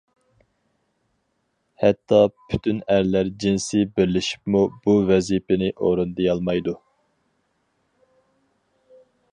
ھەتتا پۈتۈن ئەرلەر جىنسى بىرلىشىپمۇ بۇ ۋەزىپىنى ئورۇندىيالمايدۇ.